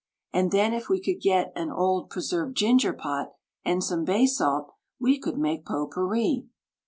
And then if we could get an old "preserved ginger" pot, and some bay salt, we could make pot pourri.